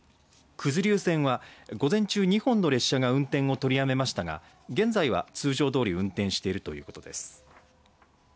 九頭竜線は午前中２本の列車が運転を取りやめましたが現在は通常通り運転しているということです。